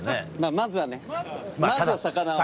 まずはねまずは魚を。